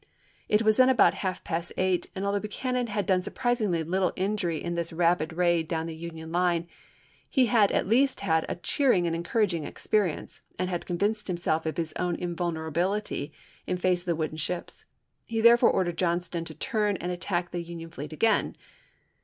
It was then about half past eight, and although Buchanan had done surprisingly little injury in this rapid raid down the Union line, he had at least had a cheer ing and encouraging experience and had convinced himself of his own invulnerability in face of the wooden ships. He therefore ordered Johnston to turn and attack the Union fleet again.